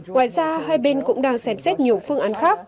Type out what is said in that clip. ngoài ra hai bên cũng đang xem xét nhiều phương án khác